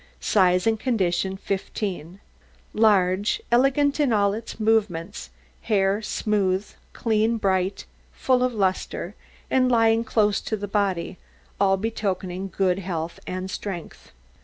SIZE AND CONDITION 15 Large, elegant in all its movements, hair smooth, clean, bright, full of lustre, and lying close to the body, all betokening good health and strength.